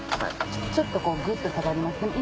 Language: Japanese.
ちょっとこうグッと下がります。